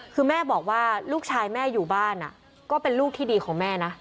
คือแม่บอกว่าลูกชายแม่อยู่บ้านก็เป็นลูกที่ดีของแม่นะ